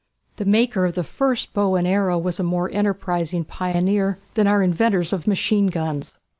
The maker of the first bow and arrow was a more enterprising pioneer than our inventors of machine guns.